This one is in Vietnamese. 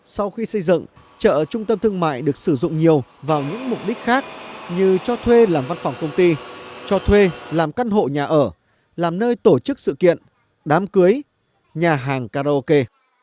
sau khi xây dựng chợ trung tâm thương mại được sử dụng nhiều vào những mục đích khác như cho thuê làm văn phòng công ty cho thuê làm căn hộ nhà ở làm nơi tổ chức sự kiện đám cưới nhà hàng karaoke